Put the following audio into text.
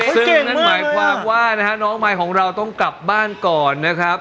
ซึ่งนั่นหมายความว่านะฮะน้องใหม่ของเราต้องกลับบ้านก่อนนะครับ